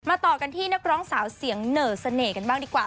ต่อกันที่นักร้องสาวเสียงเหน่อเสน่ห์กันบ้างดีกว่า